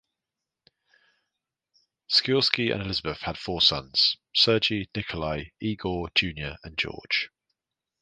Sikorsky and Elisabeth had four sons; Sergei, Nikolai, Igor Junior and George.